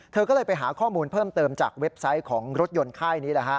เธอก็เลยไปหาข้อมูลเพิ่มเติมจากเว็บไซต์ของรถยนต์ค่ายนี้